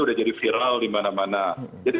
sudah jadi viral dimana mana jadi